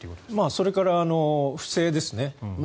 それから不正ですね。